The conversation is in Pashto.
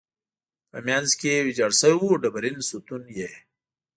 په منځ کې ویجاړ شوی و، ډبرین ستون یې.